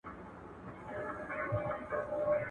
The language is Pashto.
په کاناډا کې کورنۍ د ماشومانو او وروڼو پاملرنه کوي.